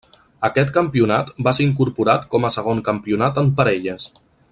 Aquest campionat va ser incorporat com a segon campionat en parelles.